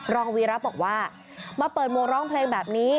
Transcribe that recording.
รองวีระบอกว่ามาเปิดหมวกร้องเพลงแบบนี้